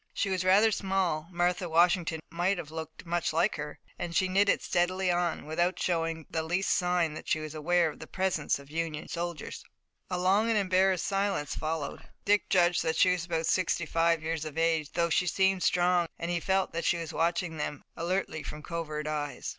She was rather small, Martha Washington might have looked much like her, and she knitted steadily on, without showing by the least sign that she was aware of the presence of Union soldiers. A long and embarrassed silence followed. Dick judged that she was about sixty five years of age, though she seemed strong and he felt that she was watching them alertly from covert eyes.